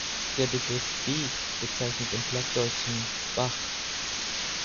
Der Begriff "Bek" bezeichnet im plattdeutschen "Bach".